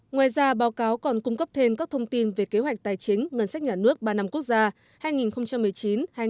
ngoài ra báo cáo còn cung cấp thêm các thông tin về kế hoạch tài chính ngân sách nhà nước ba năm quốc gia hai nghìn một mươi chín hai nghìn hai mươi một và giải pháp triển khai thực hiện